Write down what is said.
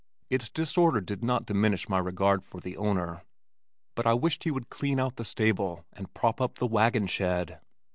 Its disorder did not diminish my regard for the owner, but I wished he would clean out the stable and prop up the wagon shed.